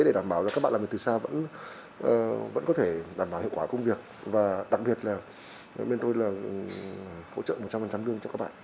và đặc biệt là bên tôi là hỗ trợ một trăm linh đương cho các bạn